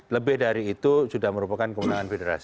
lebih dari itu sudah merupakan kemenangan federasi